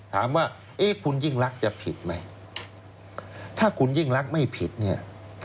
ถามว่าเอ๊ะคุณยิ่งรักจะผิดไหมถ้าคุณยิ่งรักไม่ผิดเนี่ย